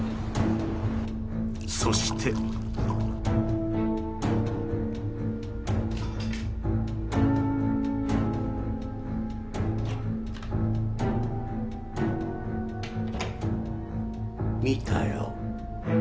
［そして］見たよ。